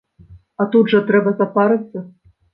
А тут жа трэба запарыцца!